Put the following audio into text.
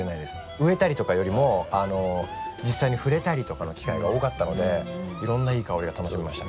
植えたりとかよりも実際に触れたりとかの機会が多かったのでいろんないい香りが楽しめました。